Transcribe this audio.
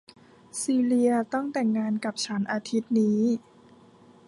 ซีเลียต้องแต่งงานกับฉันอาทิตย์นี้